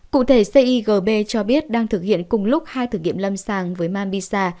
cụ thể cigb cho biết đang thực hiện cùng lúc hai thử nghiệm lâm sàng với mambisa